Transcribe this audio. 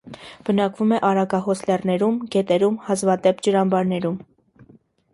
Բնակվում է արագահոս լեռներում, գետերում, հազվադեպ՝ ջրամբարներում։